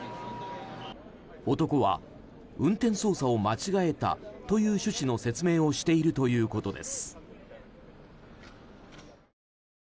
男は、運転操作を間違えたという趣旨の説明をしているということです。